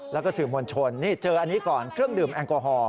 แล้วก็สื่อมวลชนนี่เจออันนี้ก่อนเครื่องดื่มแอลกอฮอล